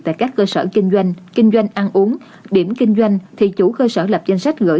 tại các cơ sở kinh doanh kinh doanh ăn uống điểm kinh doanh thì chủ cơ sở lập danh sách gửi